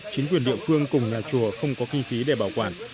chính quyền địa phương cùng nhà chùa không có kinh phí để bảo quản